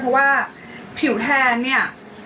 เพราะว่าผิวแทนเนี่ย